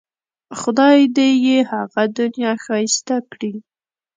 خدای دې یې هغه دنیا ښایسته کړي.